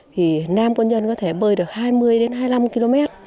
thì nam quân nhân có thể bơi được hai mươi đến hai mươi năm km